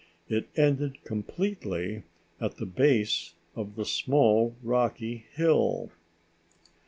It ended completely at the base of the small rocky hill.